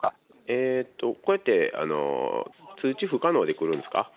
えーと、これって通知不可能で来るんですか？